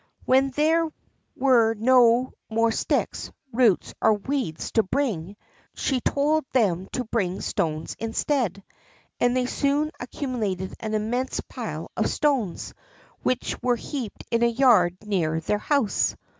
When there were no more sticks, roots, or weeds to bring, she told them to bring stones instead; and they soon accumulated an immense pile of stones, which were heaped in a yard near their house.